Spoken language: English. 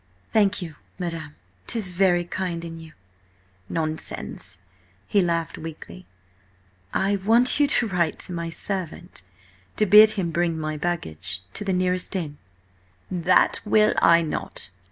"Thank you, madam. 'Tis very kind in you—" "Nonsense!" He laughed weakly. "I want you to write to my servant, to bid him bring my baggage to the nearest inn—" "That will I not!